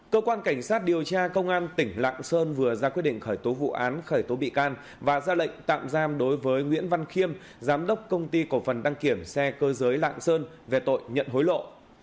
cơ quan cảnh sát điều tra công an tỉnh lạng sơn vừa ra quyết định khởi tố vụ án khởi tố bị can và ra lệnh tạm giam đối với nguyễn văn khiêm giám đốc công ty cổ phần đăng kiểm xe cơ giới lạng sơn về tội nhận hối lộ